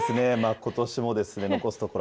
ことしも残すところ